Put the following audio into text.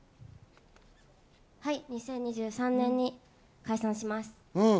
はい、２０２３年に解散します。